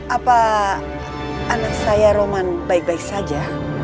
apa anak saya roman baik baik saja